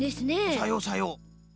さようさよう。